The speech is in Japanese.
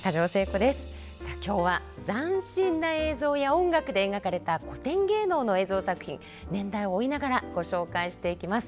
さあ今日は斬新な映像や音楽で描かれた古典芸能の映像作品年代を追いながらご紹介していきます。